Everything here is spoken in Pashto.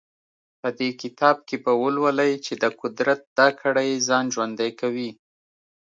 په دې کتاب کې به ولولئ چې د قدرت دا کړۍ ځان ژوندی کوي.